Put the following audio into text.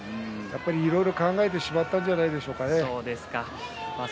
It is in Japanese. いろいろ考えてしまったんじゃないでしょうか。